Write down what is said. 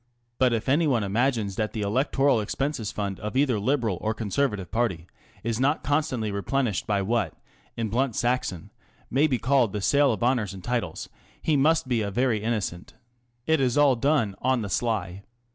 But if anyone imagines that the electoral expenses fund of either Liberal or Conservative party is not constantly replenished by what in blunt Saxon may be called the sale of honours and titles, he must be a very innocent. It is all done t( on the sly."